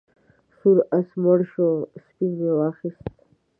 سور آس مړ شو سپین مې واخیست.